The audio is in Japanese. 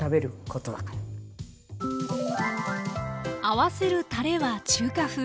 合わせるたれは中華風。